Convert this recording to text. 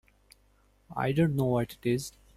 I don't know what it is.